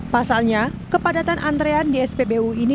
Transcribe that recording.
pasalnya kepadatan antrean di spbu ini